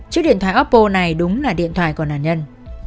chiếc điện thoại appo này đúng là điện thoại của nạn nhân